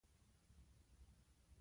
دوکاندار وویل چې جنس نادر دی.